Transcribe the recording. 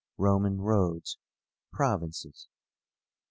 ROMAN ROADS. PROVINCES.